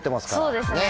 そうですね。